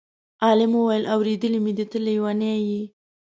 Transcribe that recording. عالم وویل: اورېدلی مې دی ته لېونی یې.